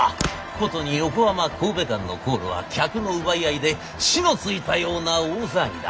殊に横浜神戸間の航路は客の奪い合いで火のついたような大騒ぎだ。